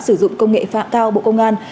sử dụng công nghệ phạm cao bộ công an